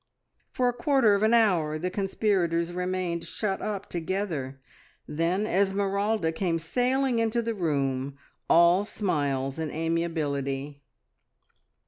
For a quarter of an hour the conspirators remained shut up together, then Esmeralda came sailing into the room, all smiles and amiability.